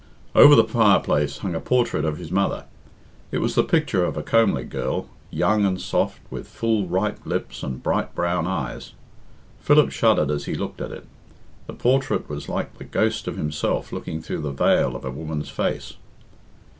Over the fireplace hung a portrait of his mother. It was the picture of a comely girl, young and soft, with full ripe lips and bright brown eyes. Philip shuddered as he looked at it. The portrait was like the ghost of himself looking through the veil of a woman's face.